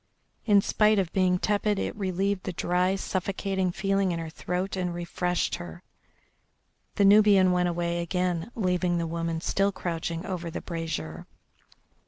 In spite of being tepid it relieved the dry, suffocating feeling in her throat and refreshed her. The Nubian went away again, leaving the woman still crouching over the brazier.